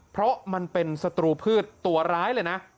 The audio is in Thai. เพราะมันเป็นศัตรูพืชตัวร้ายเลยนะ